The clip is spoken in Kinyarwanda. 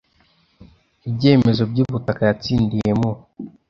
ibyemezo by ubutaka yatsindiye mu